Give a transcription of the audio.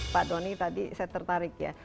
pak doni tadi saya tertarik ya